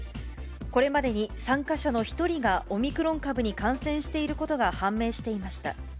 これまでに参加者の１人がオミクロン株に感染していることが判明していました。